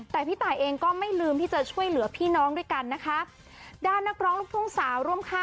แต่พี่ตายเองก็ไม่ลืมที่จะช่วยเหลือพี่น้องด้วยกันนะคะด้านนักร้องลูกทุ่งสาวร่วมค่าย